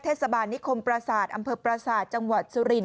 เทศบาลนิคมประสาทอำเภอประสาทจังหวัดสุรินท